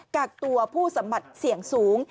กากตัวผู้สมัครเสี่ยงสูง